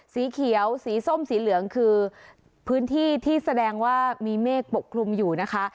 สีเขียวสีส้มสีเหลืองคือพื้นที่ที่แสดงว่ามีเมฆปกคลุมอยู่นะคะ